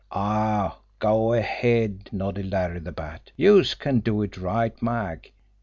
"Aw, go ahead!" nodded Larry the Bat. "Youse can do it right, Mag.